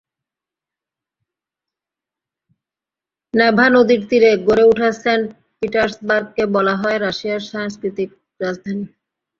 Neva নদীর তীরে গড়ে ওঠা সেন্ট পিটার্সবার্গকে বলা হয় রাশিয়ার সাংস্কৃতিক রাজধানী।